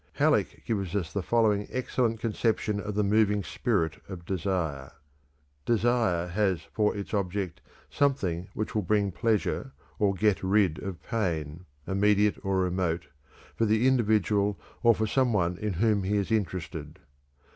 Halleck gives us the following excellent conception of the moving spirit of desire: "_Desire has for its object something which will bring pleasure or get rid of pain, immediate or remote, for the individual or for some one in whom he is interested.